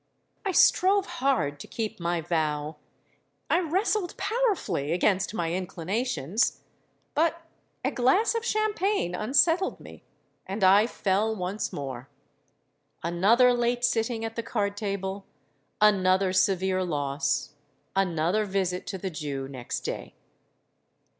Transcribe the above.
I strove hard to keep my vow—I wrestled powerfully against my inclinations; but a glass of champagne unsettled me—and I fell once more! Another late sitting at the card table—another severe loss—another visit to the Jew next day!